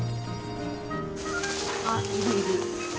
あっいるいる！